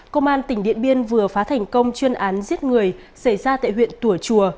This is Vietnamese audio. công an tỉnh điện biên vừa phá thành công chuyên án giết người xảy ra tại huyện tùa chùa